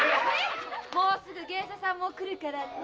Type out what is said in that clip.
もうすぐ芸者さんも来るからね。